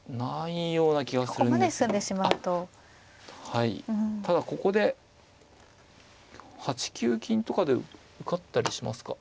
はいただここで８九金とかで受かったりしますか。